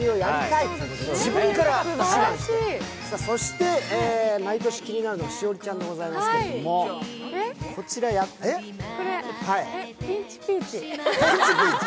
そして毎年、気になるのが栞里ちゃんですけどもこれ、ペンチピーチ。